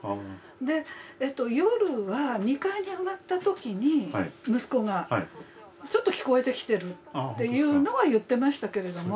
でえと夜は２階に上がった時に息子が「ちょっと聞こえてきてる」っていうのは言ってましたけれども。